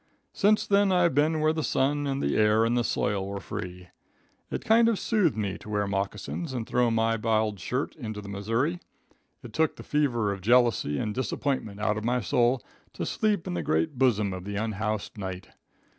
"Since then I've been where the sun and the air and the soil were free. It kind of soothed me to wear moccasins and throw my biled shirt into the Missouri. It took the fever of jealousy and disappointment out of my soul to sleep in the great bosom of the unhoused night.